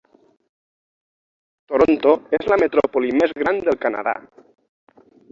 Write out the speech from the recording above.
Toronto és la metròpoli més gran del Canadà.